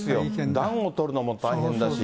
暖をとるのも大変だし。